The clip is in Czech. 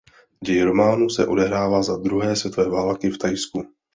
Děj románu se odehrává za druhé světové války v Thajsku.